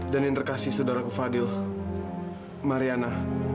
dan yang terkasih saudaraku fadil mariana